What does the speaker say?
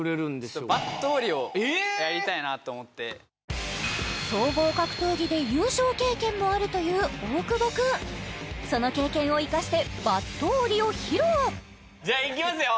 やりたいなと思って総合格闘技で優勝経験もあるという大久保君その経験を生かしてバット折りを披露じゃいきますよ